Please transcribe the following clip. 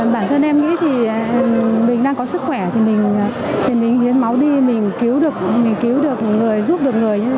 bản thân em nghĩ thì mình đang có sức khỏe thì mình hiến máu đi mình cứu được người giúp được người